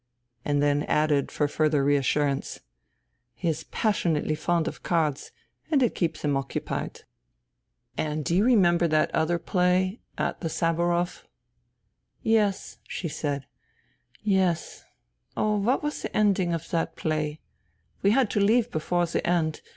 And then added for further reassurance :" He is passion ately fond of cards ... and it keeps him occupied. 220 FUTILITY " And do you remember that other play ... at the Saburov ?"" Yes," she said. " Yes. ... Oh, what was the ending of that play ? We had to leave before the end.